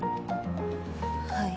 はい。